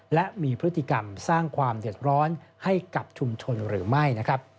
และมีพฤติกรรมสร้างความเดือดร้อนให้กับชุมชนหรือไม่